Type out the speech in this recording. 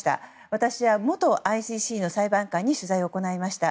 私は、元ＩＣＣの裁判官に取材を行いました。